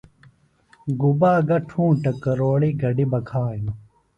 گُبا گہ ٹُھونٹہ کروڑیۡ گڈیۡ بہ کِھئانوۡ